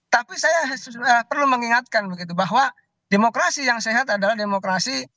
tapi saya perlu mengingatkan begitu bahwa demokrasi yang sehat adalah demokrasi